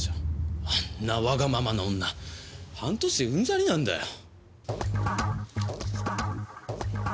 あんなわがままな女半年でうんざりなんだよ。